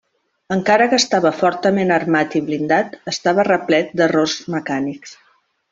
Encara que estava fortament armat i blindat estava replet d'errors mecànics.